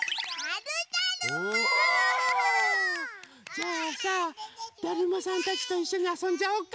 じゃあさだるまさんたちといっしょにあそんじゃおうか。